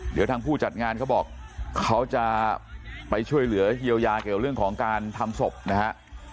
เดี๋ยวทางผู้จัดงานเขาบอกเขาจะไปช่วยเหลือเยียวยาเกี่ยวเรื่องของการทำศพนะฮะ